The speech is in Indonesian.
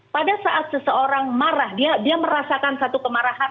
pada saat seseorang marah dia merasakan satu kemarahan